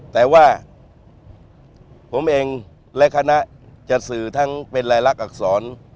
แต่ว่าผมเองและคณะจะสื่อทั้งเป็นรายลักษณอักษร